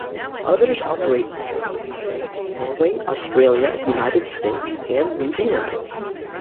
Others operate in Germany, France, Norway, Australia, United States and New Zealand.